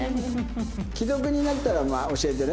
既読になったら教えてね。